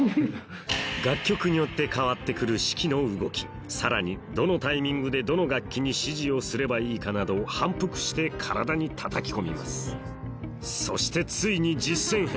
楽曲によって変わってくる指揮の動きさらにどのタイミングでどの楽器に指示をすればいいかなどを反復して体にたたき込みますそしてついに実践編